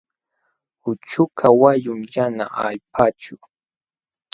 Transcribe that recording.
Uchukaq wayun yana allpaćhu.